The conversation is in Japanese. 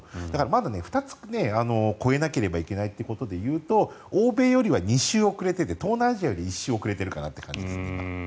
まだ２つ、越えなければいけないということでいうと欧米よりは２周遅れていて東南アジアよりは１周遅れている感じですね。